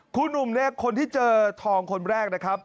ครูหนุ่มคนที่เจอทองคนแรกนะครับ